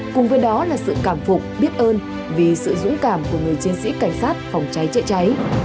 cùng với đó là sự cảm phục biết ơn vì sự dũng cảm của người chiến sĩ cảnh sát phòng cháy chữa cháy